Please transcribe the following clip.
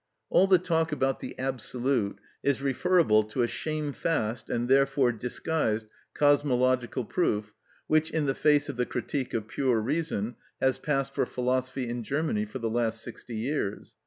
All the talk about the absolute is referable to a shamefast, and therefore disguised cosmological proof, which, in the face of the "Critique of Pure Reason," has passed for philosophy in Germany for the last sixty years.